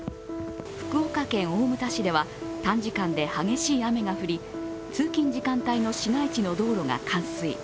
福岡県大牟田市では短時間で激しい雨が降り通勤時間帯の市街地の道路が冠水。